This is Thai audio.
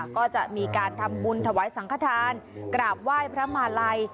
ก็จะมีการทำบุญถวายสังขทานกราบไหว้พระมาลัย